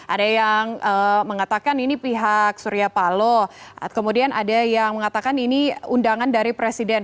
ada yang mengatakan ini pihak surya paloh kemudian ada yang mengatakan ini undangan dari presiden